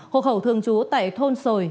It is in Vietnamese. hộ khẩu thương chú tại thôn sồi